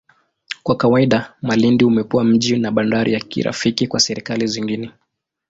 Kwa kawaida, Malindi umekuwa mji na bandari ya kirafiki kwa serikali zingine.